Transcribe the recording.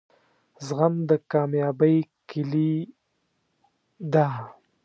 زغم دکامیابۍ کیلي ده